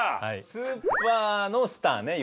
スーパーのスター。